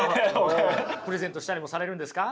プレゼントしたりもされるんですか？